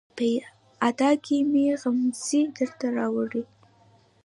په ادا کې مې غمزې درته راوړي